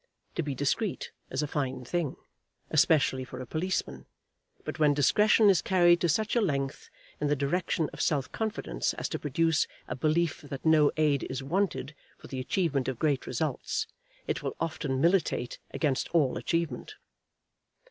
To be discreet is a fine thing, especially for a policeman; but when discretion is carried to such a length in the direction of self confidence as to produce a belief that no aid is wanted for the achievement of great results, it will often militate against all achievement.